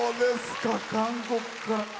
韓国から。